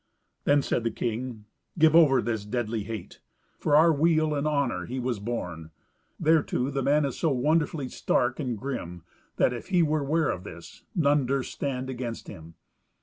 Then said the king, "Give over this deadly hate. For our weal and honour he was born. Thereto the man is so wonderly stark and grim, that, if he were ware of this, none durst stand against him."